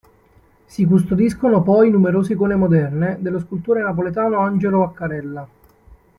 Si custodiscono poi numerose icone moderne, dello scultore napoletano Angelo Vaccarella.